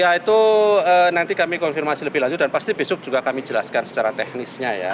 ya itu nanti kami konfirmasi lebih lanjut dan pasti besok juga kami jelaskan secara teknisnya ya